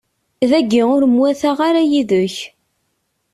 Dagi ur mwataɣ ara yid-k.